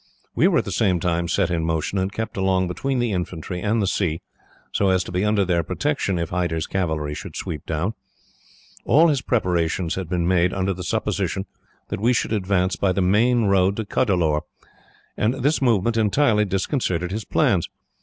We were at the same time set in motion, and kept along between the infantry and the sea, so as to be under their protection, if Hyder's cavalry should sweep down. All his preparations had been made under the supposition that we should advance by the main road to Cuddalore, and this movement entirely disconcerted his plans.